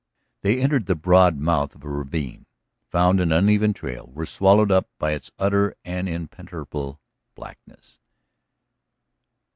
They entered the broad mouth of a ravine, found an uneven trail, were swallowed up by its utter and impenetrable blackness.